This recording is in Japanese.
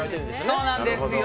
そうなんですよ。